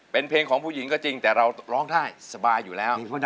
เป็นเพลงของผู้หญิงก็จริงแต่เราร้องได้สบายอยู่แล้ว